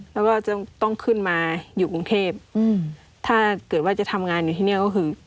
แล้วก็จะต้องขึ้นมาอยู่กรุงเทพอืมถ้าเกิดว่าจะทำงานอยู่ที่นี่ก็คือ